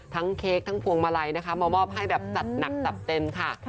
เค้กทั้งพวงมาลัยนะคะมามอบให้แบบจัดหนักจัดเต็มค่ะ